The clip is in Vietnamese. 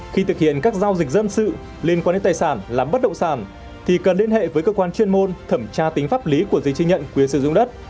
khi thực hiện các giao dịch dân sự liên quan đến tài sản làm bất động sản thì cần liên hệ với cơ quan chuyên môn thẩm tra tính pháp lý của giấy chứng nhận quyền sử dụng đất